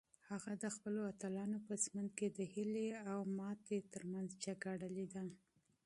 هغه د خپلو اتلانو په ژوند کې د امید او تسلیمۍ ترمنځ جګړه لیده.